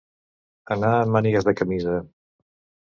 Anar en mànigues de camisa.